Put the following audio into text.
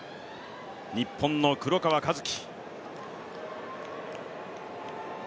日本の黒川和樹。